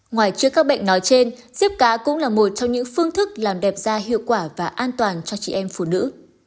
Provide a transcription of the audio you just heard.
ngoài trước các bệnh nói trên xếp cá cũng là một trong những phương thức làm đẹp da hiệu quả và an toàn cho chị em phụ nữ